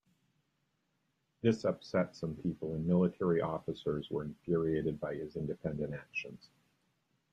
This upset some people and military officers were infuriated by his independent actions.